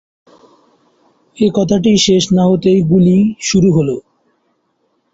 এ কথা শেষ না হতেই গুলি শুরু হলো।